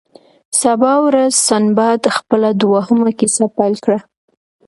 سبا ورځ سنباد خپله دوهمه کیسه پیل کړه.